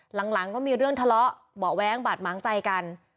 หลังก็มีเรื่องทะเลาะเบาะแว้งบาดหมางใจกัน